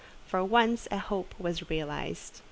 For once a hope was realized.